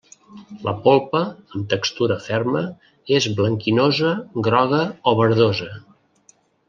La polpa, amb textura ferma, és blanquinosa, groga o verdosa.